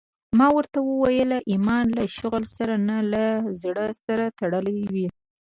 ما ورته وويل ايمان له شغل سره نه له زړه سره تړلى وي.